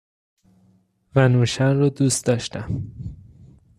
و نوشن رو دوست داشتم